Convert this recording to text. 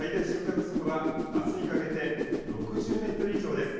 風速はあすにかけて６０メートル以上です。